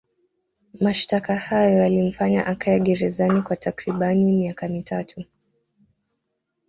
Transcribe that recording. Mashtaka hayo yalimfanya akae gerezani kwa takribani miaka mitatu